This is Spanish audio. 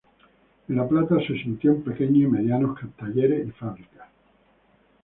En La Plata se sintió en pequeños y medianos talleres y fábricas.